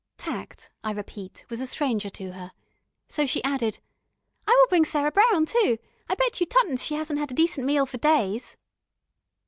Tact, I repeat, was a stranger to her, so she added: "I will bring Sarah Brown too. I bet you twopence she hasn't had a decent meal for days."